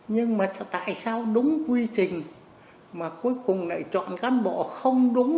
nhưng mà tại sao đúng quy trình mà cuối cùng lại chọn cán bộ không đúng